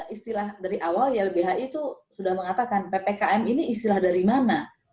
istilah dari awal ylbhi itu sudah mengatakan ppkm ini istilah dari mana